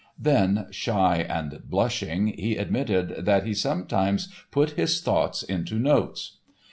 Then, "shy and blushing," he admitted that he "sometimes put his thoughts into notes."